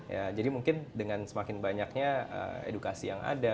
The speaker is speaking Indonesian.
ya jadi mungkin dengan semakin banyaknya edukasi yang ada